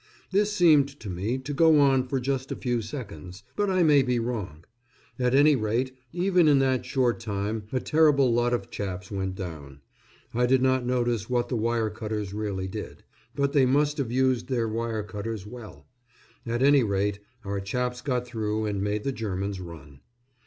This seemed to me to go on for just a few seconds; but I may be wrong. At any rate, even in that short time, a terrible lot of chaps went down. I did not notice what the wire cutters really did; but they must have used their wire cutters well. At any rate, our chaps got through and made the Germans run.